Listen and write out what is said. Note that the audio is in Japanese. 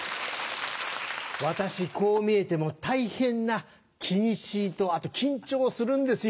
私こう見えても大変な気にしぃとあと緊張するんですよ。